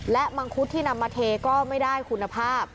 และมังคุดที่นำมาเทก็ไม่ได้คุณภาพ